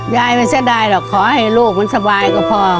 ยายไม่ใช่ได้หรอกขอให้ลูกมันสบายก็พอ